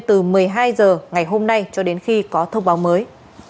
từ một mươi hai h ngày hôm nay cho đến khi có thông báo mới